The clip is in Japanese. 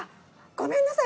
ごめんなさい。